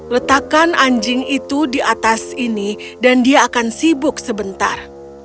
letakkan anjing itu di atas ini dan dia akan sibuk sebentar